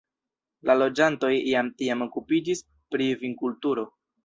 La loĝantoj jam tiam okupiĝis pri vinkulturo.